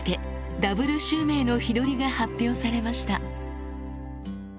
ダブル襲名の日取りが発表されました